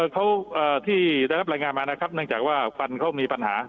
เขาที่ได้รับรายงานมานะครับเนื่องจากว่าฟันเขามีปัญหา